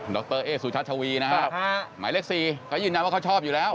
รเอ๊สุชัชวีนะครับหมายเลข๔เขายืนยันว่าเขาชอบอยู่แล้ว